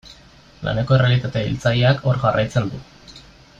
Laneko errealitate hiltzaileak hor jarraitzen du.